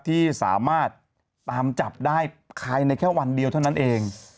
ที่สามารถตามจับได้ภายในแค่วันเดียวเท่านั้นเอง